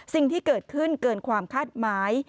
สิ่งที่เกิดขึ้นเกินความคาดหมาย